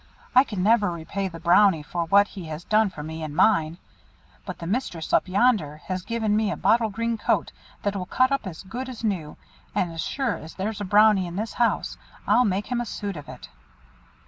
I can never repay the Brownie for what he has done for me and mine; but the mistress up yonder has given me a bottle green coat that will cut up as good as new; and as sure as there's a Brownie in this house, I'll make him a suit of it."